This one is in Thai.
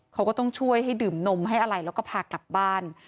เขาก็ต้องช่วยให้ดื่มนมให้อะไรแล้วก็พากลับบ้าน